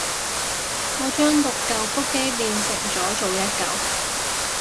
我將六舊腹肌鍊成咗做一舊